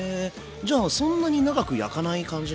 じゃあそんなに長く焼かない感じなんだね。